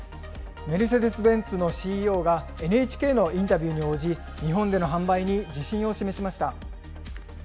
メルセデス・ベンツのＣＥＯがＮＨＫのインタビューに応じ、日本での販売に自信を示しました。